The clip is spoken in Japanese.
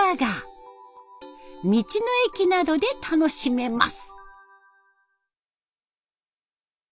道の駅などで楽しめます。